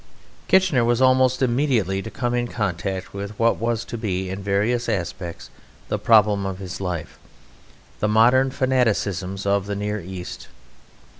Kitchener was almost immediately to come in contact with what was to be, in various aspects, the problem of his life the modern fanaticisms of the Near East.